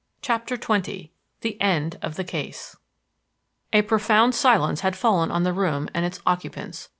CHAPTER XX THE END OF THE CASE A profound silence had fallen on the room and its occupants.